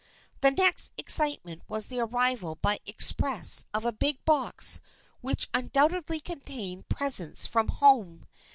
The next excitement was the arrival by express of a big box which undoubtedly contained pres ents from home.